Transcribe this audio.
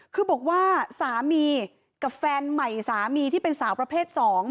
คือบอกว่าสามีกับแฟนใหม่สามีที่เป็นสาวประเภท๒